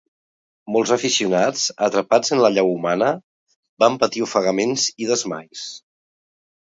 Molts aficionats, atrapats en l'allau humana, van patir ofegaments i desmais.